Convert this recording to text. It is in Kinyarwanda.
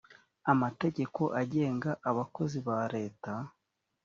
amategeko agenga abakozi ba leta